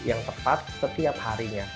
yang tepat setiap harinya